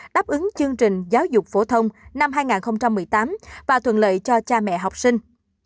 đáp ứng chương trình giáo dục phổ thông năm hai nghìn một mươi tám và thuận lợi cho cha mẹ học sinh